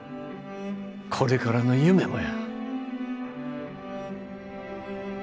これからの夢もや。